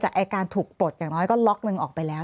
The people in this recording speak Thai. จากการทุกปฏอย่างน้อยก็ล๊อคนึงออกไปแล้ว